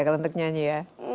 kalo untuk nyanyi ya